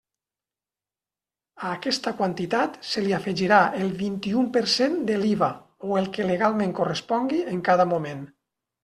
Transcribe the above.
A aquesta quantitat se li afegirà el vint-i-un per cent de l'Iva o el que legalment correspongui en cada moment.